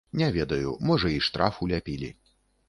Не ведаю, можа, і штраф уляпілі.